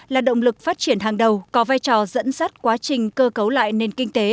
là động lực phát triển hàng đầu có vai trò dẫn dắt quá trình cơ cấu lại nền kinh tế